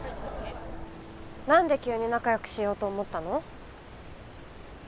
なんで急に仲良くしようと思ったの？